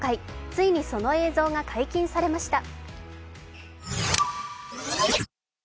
ついにその映像が解禁されました。